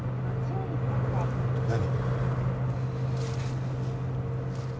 何？